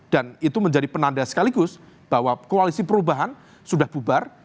dan itu menjadi penanda sekaligus bahwa koalisi perubahan sudah bubar